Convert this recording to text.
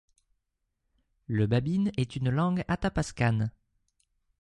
Le babine est une langue athapascane.